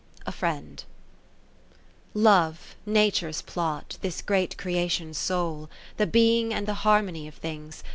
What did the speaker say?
A Friend I Love, Nature's plot, this great crea tion's soul, The being and the harmony of things.